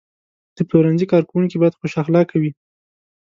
د پلورنځي کارکوونکي باید خوش اخلاقه وي.